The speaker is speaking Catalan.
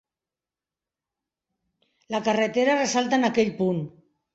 La carretera ressalta en aquell punt.